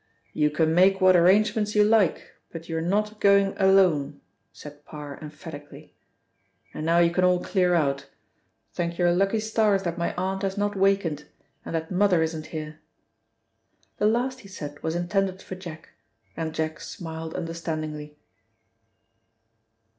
"You can make what arrangements you like, but you are not going alone," said Parr emphatically. "And now you can all clear out. Thank your lucky stars that my aunt has not wakened, and that mother isn't here." The last he said was intended for Jack, and Jack smiled understandingly.